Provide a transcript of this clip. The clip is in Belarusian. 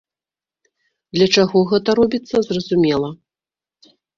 Для чаго гэта робіцца, зразумела.